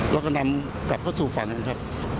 แล้วก็นำกลับเข้าสู่ฝันครับ